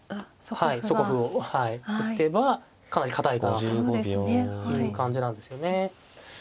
はい底歩を打てばかなり堅いかなという感じなんですよね。